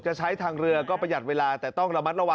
ไม่ได้เป็นนั่งแบบห้อยขาได้ขนาดนี้